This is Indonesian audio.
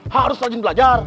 harus rajin belajar